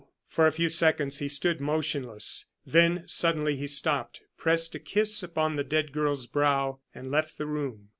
For a few seconds he stood motionless, then suddenly he stopped, pressed a kiss upon the dead girl's brow, and left the room.